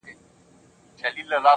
حمزه هرڅو که اینه د لطافت وي غزل